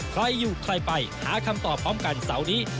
ใครอยู่ใครไปหาคำตอบพร้อมกันเสาร์นี้